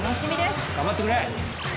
頑張ってくれ。